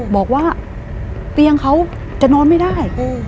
บอกว่าเตียงเขาจะนอนไม่ได้